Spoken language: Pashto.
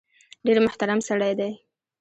ډېر محترم سړی دی .